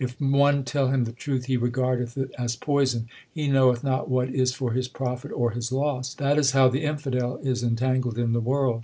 If one tell him the truth, he regardeth it as poison. 1 He knoweth not what is for his profit or his loss. That is how the infidel is entangled in the world.